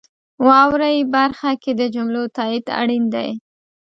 واورئ برخه کې د جملو تایید اړین دی.